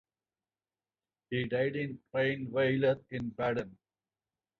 He died in Rheinweiler in Baden.